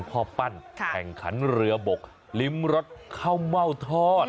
แข่งขันเรือบกลิมรักเข้าเม่าทอด